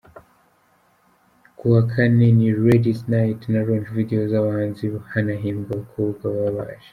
Kuwa Kane : Ni Ladies night na launch videos zabahanzi hanahembwa abakobwa baba baje.